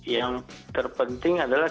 yang terpenting adalah kita mengatasi